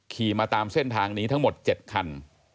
ขี่มาตามเส้นทางนี้ทั้งหมด๗คัน